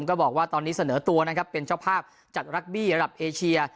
ก็บอกว่าตอนนี้เสนอตัวนะครับเป็นเจ้าภาพจัดรักบี้ระดับเอเชีย